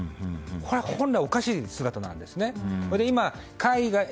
これは本来おかしい姿なんですね。